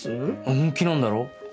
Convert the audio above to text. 本気なんだろ？